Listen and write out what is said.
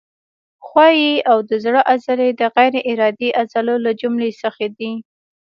ښویې او د زړه عضلې د غیر ارادي عضلو له جملو څخه دي.